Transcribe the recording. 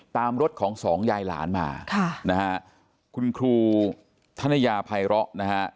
ตามรถของสองยายหลานมาคุณครูธนยภัยเหราะนะครับ